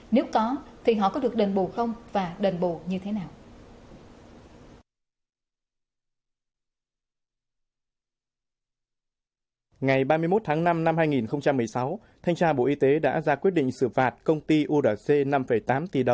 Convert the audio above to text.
nếu có thì họ có được đền bù không và đền bù như thế nào